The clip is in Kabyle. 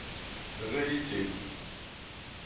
Terra-yi-tt-id.